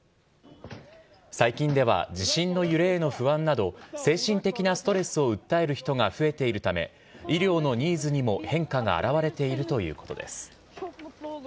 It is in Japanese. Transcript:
最近では地震の揺れへの不安など、精神的なストレスを訴える人が増えているため、医療のニーズにも変化が表れているということです。